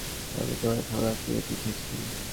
আমরা তোমার সকল আত্মীয়কে পিটিয়েছি।